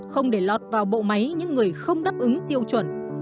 không để lọt vào bộ máy những người không đáp ứng tiêu chuẩn